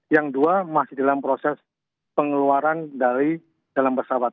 yang dua masih dalam proses pengeluaran dari dalam pesawat